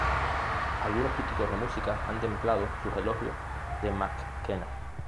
Algunos críticos de música han templado sus elogios de McKenna.